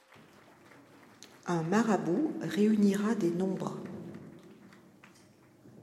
Un marabout réunira des nombres.